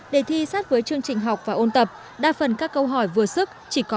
đề thi sát với chương trình học và ôn tập đa phần các câu hỏi vừa sức